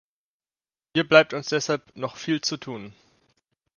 Hier bleibt uns deshalb noch viel zu tun.